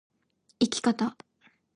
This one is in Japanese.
生き方